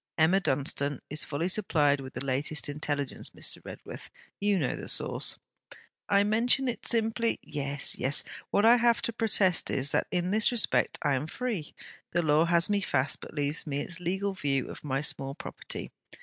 'Emma Dunstane is fully supplied with the latest intelligence, Mr. Redworth. You know the source.' 'I mention it simply...' 'Yes, yes. What I have to protest is, that in this respect I am free. The Law has me fast, but leaves me its legal view of my small property.